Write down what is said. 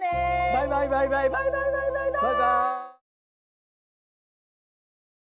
バイバイバイバイバイバイバイバイバーイ！